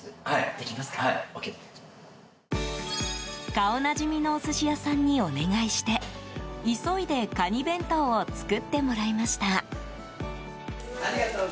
顔なじみのお寿司屋さんにお願いして急いでカニ弁当を作ってもらいました。